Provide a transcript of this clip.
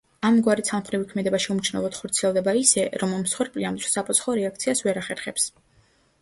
ამგვარი ცალმხრივი ქმედება შეუმჩნევლად ხორციელდება ისე, რომ მსხვერპლი ამ დროს საპასუხო რეაქციას ვერ ახერხებს.